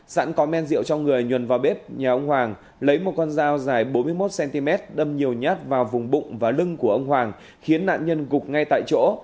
sẵn có men rượu trong người nhuần vào bếp nhà ông hoàng lấy một con dao dài bốn mươi một cm đâm nhiều nhát vào vùng bụng và lưng của ông hoàng khiến nạn nhân gục ngay tại chỗ